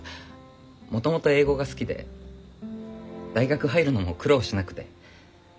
もともと英語が好きで大学入るのも苦労しなくて。